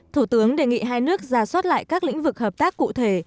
thủ tướng đề nghị hai nước ra soát lại các lĩnh vực hợp tác cụ thể